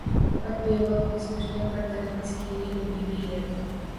قت بے وقت اسے مشتعل کر دینا کسی کے لیے ممکن نہیں رہتا